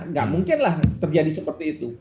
nggak mungkinlah terjadi seperti itu